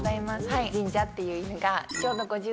はい神社っていう犬が。